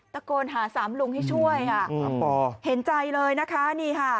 ตะโกนหาสามลุงให้ช่วยค่ะเห็นใจเลยนะคะนี่ค่ะ